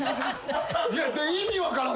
いや意味分からん！